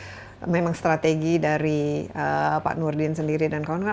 apakah ini dari memang strategi dari pak nurdin sendiri dan kawan kawan